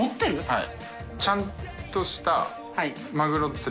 はい。